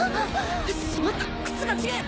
しまった靴が違ぇ！